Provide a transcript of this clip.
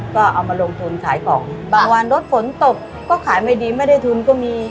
ก็เอามาลงทุนขายของบางวันรถฝนตกก็ขายไม่ดีไม่ได้ทุนก็มี